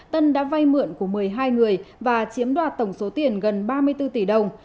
tân đã vay mượn của một mươi hai người và chiếm đoạt tổng số tiền gần ba mươi bốn tỷ đồng